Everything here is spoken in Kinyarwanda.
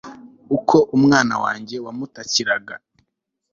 uko umunwa wanjye wamutakiraga